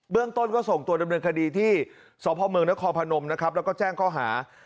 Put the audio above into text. เรื่องต้นก็ส่งตัวดำเนินคดีที่สพเมืองนครพนมนะครับแล้วก็แจ้งข้อหา